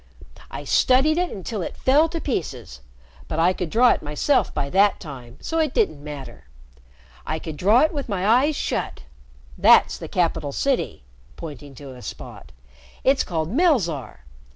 I studied it until it fell to pieces. But I could draw it myself by that time, so it didn't matter. I could draw it with my eyes shut. That's the capital city," pointing to a spot. "It's called Melzarr.